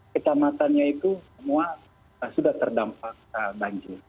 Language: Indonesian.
dua belas kecamatannya itu semua sudah terdampak banjir